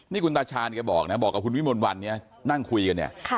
นี่คุณตาชาญแกบอกนะบอกกับคุณวิมลวันเนี่ยนั่งคุยกันเนี่ย